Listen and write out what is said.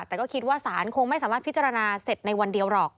แต่ก็คิดว่าศาลคงไม่สามารถพิจารณาเสร็จในวันเดียวหรอก